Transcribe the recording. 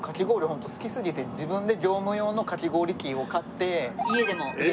ホント好きすぎて自分で業務用のかき氷機を買って家で。